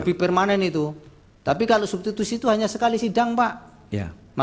macam anu merupakan pbu skoda